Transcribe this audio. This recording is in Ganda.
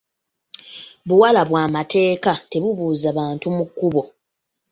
Buwala bwa mateeka tebubuuza bantu mu kubo.